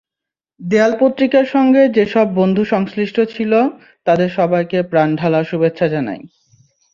দেয়াল পত্রিকার সঙ্গে যেসব বন্ধু সংশ্লিষ্ট ছিল, তাদের সবাইকে প্রাণঢালা শুভেচ্ছা জানাই।